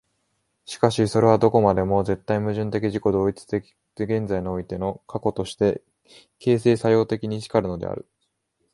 しかしそれはどこまでも絶対矛盾的自己同一的現在においての過去として、形成作用的に然るのである。